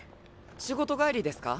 仕事帰りですか？